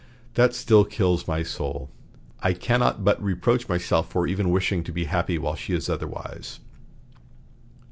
That still kills my soul. I cannot but reproach myself for even wishing to be happy while she is otherwise."